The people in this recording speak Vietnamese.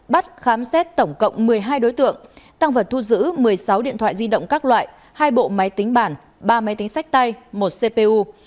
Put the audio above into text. bắt khám xét tổng cộng một mươi hai đối tượng tăng vật thu giữ một mươi sáu điện thoại di động các loại hai bộ máy tính bản ba máy tính sách tay một cpu